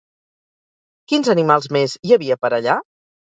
Quins animals més hi havia per allà?